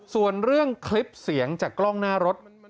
ส่วนเรื่องคลิปเสียงจากกล้องหน้ารถ